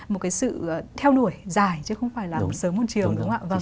một cái sự theo nổi dài chứ không phải là một sớm một chiều